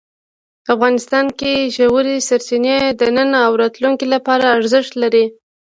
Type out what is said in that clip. افغانستان کې ژورې سرچینې د نن او راتلونکي لپاره ارزښت لري.